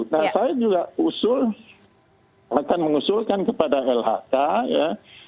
nah saya juga usul akan mengusulkan kepada lhk ya